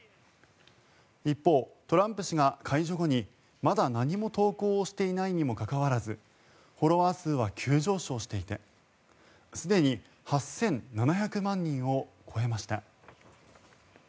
一方、トランプ氏が解除後にまだ何も投稿をしていないにもかかわらずフォロワー数は急上昇していてすでに８７００万人を超えました。